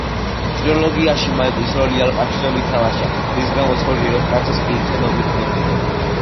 ტრილოგიაში მაიკლის როლი ალ პაჩინომ ითამაშა, რის გამოც ორჯერ ოსკარზეც კი იქნა ნომინირებული.